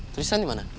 tristan di mana